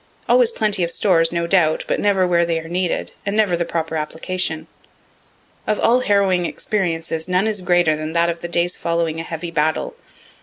Always plenty of stores, no doubt, but never where they are needed, and never the proper application. Of all harrowing experiences, none is greater than that of the days following a heavy battle.